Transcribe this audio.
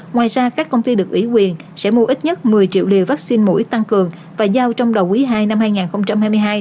ngoài ra các công ty được ủy quyền sẽ mua ít nhất một mươi triệu liều vaccine mũi tăng cường và giao trong đầu quý ii năm hai nghìn hai mươi hai